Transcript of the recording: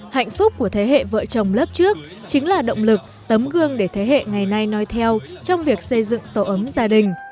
hạnh phúc của thế hệ vợ chồng lớp trước chính là động lực tấm gương để thế hệ ngày nay nói theo trong việc xây dựng tổ ấm gia đình